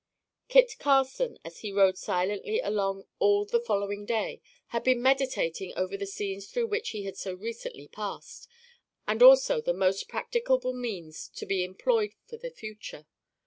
Eat Carson, as he rode silently along all the following day, had been meditating over the scenes through which he had so recently passed, and also the most practicable means to be employed for the future.